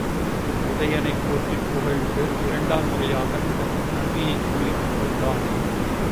உதயணனைப் போற்றிப் புகழ்ந்து இரண்டாம் முறையாகத் தன் நன்றியைத்கூறிக் கொண்டான்.